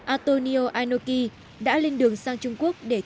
antonio inoki đã lên đường sang trung quốc